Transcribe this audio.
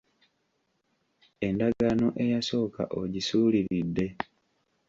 Endagaano eyasooka ogisuuliridde.